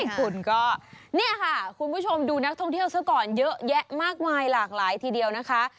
คุณก็เนี่ยค่ะคุณผู้ชมดูนักท่องเที่ยวซะก่อนเยอะแยะมากมายหลากหลายทีเดียวนะคะ